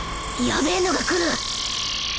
ヤベえのが来る！